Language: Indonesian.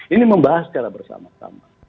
ini membahas secara bersama sama